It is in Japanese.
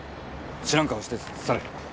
知らん顔して去れ。